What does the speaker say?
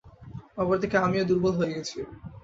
অপরদিকে, আমিও দুর্বল হয়ে গেছি।